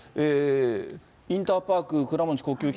インターパーク倉持呼吸器